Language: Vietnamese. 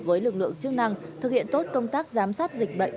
với lực lượng chức năng thực hiện tốt công tác giám sát dịch bệnh